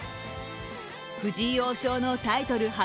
藤井王将のタイトル初